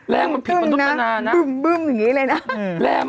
แรงมันผิดมนุษย์มนานะ